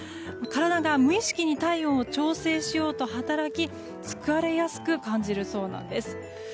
体が無意識に体温を調整しようと働き疲れやすく感じるそうなんです。